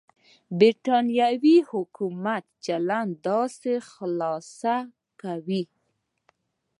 برېټانوي حکومت چلند داسې خلاصه کوي.